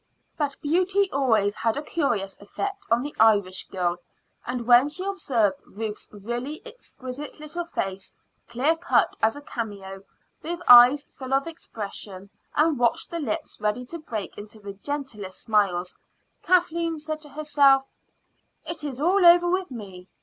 But beauty always had a curious effect on the Irish girl, and when she observed Ruth's really exquisite little face, clear cut as a cameo, with eyes full of expression, and watched the lips ready to break into the gentlest smiles, Kathleen said to herself: "It is all over with me.